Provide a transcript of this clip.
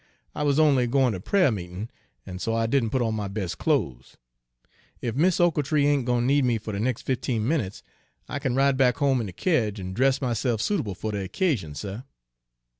I wuz only goin' ter pra'r meetin', an' so I didn' put on my bes' clo's. Ef Mis' Ochiltree ain' gwine ter need me fer de nex' fifteen minutes, I kin ride back home in de ca'ige an' dress myse'f suitable fer de occasion, suh."